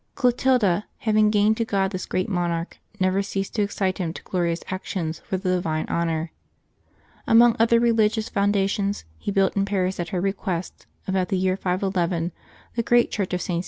Clotilda, having gained to God this great monarch, never ceased to excite him to glorious ac tions for the divine honor; among other religious founda tions, he built in Paris, at her request, about the year 511, the great church of Sts.